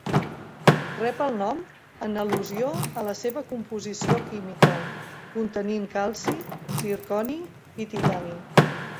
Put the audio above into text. Rep el nom en al·lusió a la seva composició química, contenint calci, zirconi i titani.